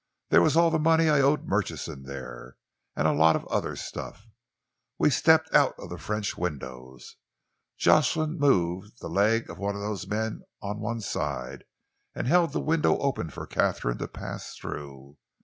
There was all the money I owed Murchison there, and a lot of other stuff. We stepped out of the French windows. Jocelyn moved the leg of one of those men on one side and held the window open for Katharine to pass through.